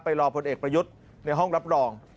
ไปรอแพลอคครัวเอกประยุทธในห้องรับรอง